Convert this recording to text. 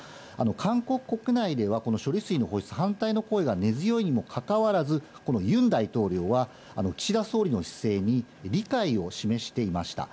韓国国内では、この処理水の放出、反対の声が根強いにもかかわらず、このユン大統領は、岸田総理の姿勢に理解を示していました。